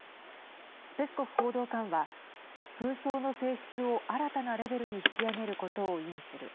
ペスコフ報道官は、紛争の性質を新たなレベルに引き上げることを意味する。